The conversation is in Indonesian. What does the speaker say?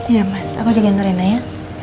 iya mas aku juga nurina ya